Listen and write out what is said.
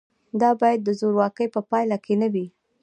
دا باید د زورواکۍ په پایله کې نه وي.